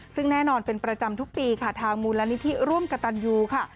ซึ่งแน่นอนเป็นประจำทุกปีค่ะทางมูลนิธิร่วมกับตันยูค่ะ